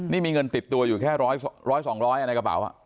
นี่มีเงินติดตัวอยู่แค่ร้อย๑๐๐ร้อย๒๐๐ร้อยมันในกระเป๋า